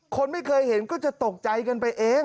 คนไม่เคยเห็นก็จะตกใจกันไปเอง